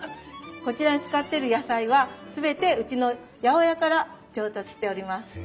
こちらに使ってる野菜は全てうちの八百屋から調達しております。